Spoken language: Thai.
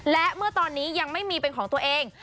และเมื่อตอนนี้ยังไม่มีเป็นของตัวเอง